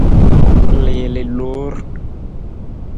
Liili loor.